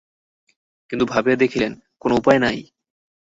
কিন্তু ভাবিয়া দেখিলেন, কোন উপায় নাই।